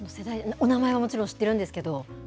お名前はもちろん知ってるんですけど。